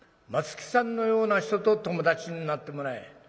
松木さんのような人と友達になってもらえ。